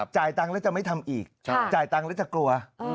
จ่ายตังค์แล้วจะไม่ทำอีกจ่ายตังค์แล้วจะกลัว